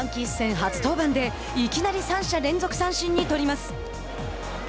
初登板でいきなり３者連続三振に取ります。